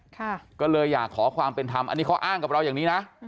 ก็เลยอยากขอความเป็นธรรมอันนี้เขาอ้างกับเราอย่างนี้นะ